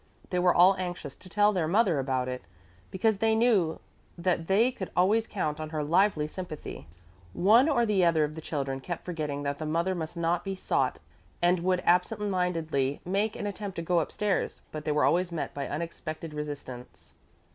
They were all anxious to tell their mother about it, because they knew that they could always count on her lively sympathy. One or the other of the children kept forgetting that the mother must not be sought and would absent mindedly make an attempt to go upstairs, but they were always met by unexpected resistance.